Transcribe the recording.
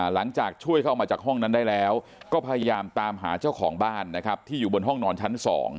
หลังจากช่วยเข้ามาจากห้องนั้นได้แล้วก็พยายามตามหาเจ้าของบ้านนะครับที่อยู่บนห้องนอนชั้น๒